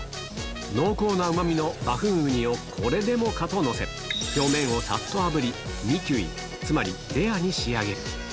濃厚なうまみのバフン雲丹をこれでもかと載せ、表面をさっとあぶり、ミキュイ、つまりレアに仕上げる。